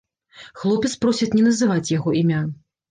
Хлопец просіць не называць яго імя.